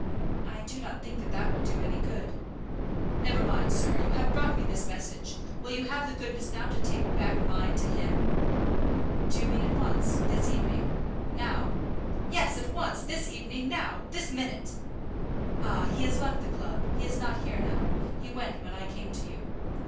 "I do not think that that would do any good." "Never mind, sir; you have brought me his message; will you have the goodness now to take back mine to him?" "Do you mean at once this evening, now?" "Yes, at once this evening, now; this minute." "Ah; he has left the club; he is not here now; he went when I came to you."